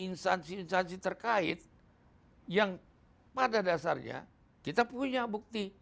insansi insansi terkait yang pada dasarnya kita punya bukti